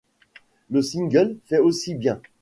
Le single ' fait aussi bien.